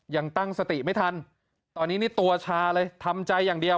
ยังตั้งสติไม่ทันตอนนี้นี่ตัวชาเลยทำใจอย่างเดียว